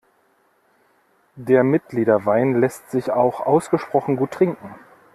Der Mitgliederwein lässt sich auch ausgesprochen gut trinken.